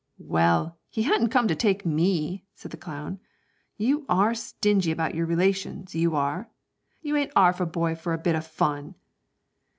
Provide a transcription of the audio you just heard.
'Well, he hadn't come to take me,' said the clown; 'you are stingy about your relations, you are; you ain't 'arf a boy for a bit o' fun.'